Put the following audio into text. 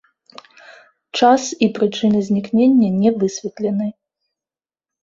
Час і прычыны знікнення не высветлены.